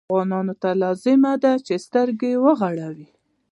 افغانانو ته لازمه ده چې سترګې وغړوي.